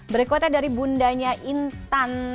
berikutnya dari bundanya intan